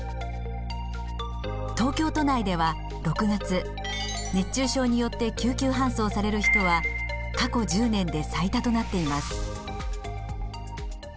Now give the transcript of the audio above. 東京都内では６月熱中症によって救急搬送される人は過去１０年で最多となっています。